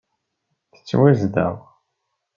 Tettwazdeɣ.